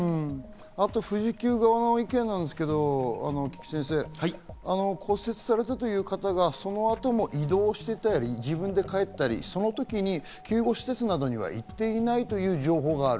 あと富士急側の意見ですけど菊地先生、骨折されたという方がその後も移動していたり、自分で帰ったり、その時に救護施設などに行っていないという情報がある。